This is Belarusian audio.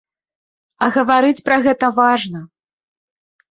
А гаварыць пра гэта важна.